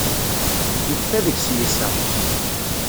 Yekfa deg-s yiseɣ.